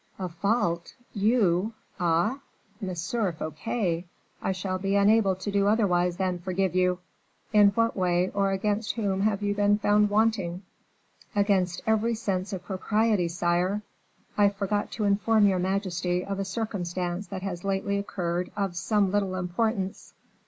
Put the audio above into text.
"A fault! You! Ah! Monsieur Fouquet, I shall be unable to do otherwise than forgive you. In what way or against whom have you been found wanting?" "Against every sense of propriety, sire. I forgot to inform your majesty of a circumstance that has lately occurred of some little importance."